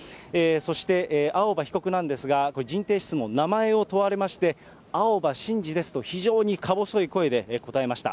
そして青葉被告なんですが、人定質問、名前を問われまして、青葉真司ですと、非常にか細い声で答えました。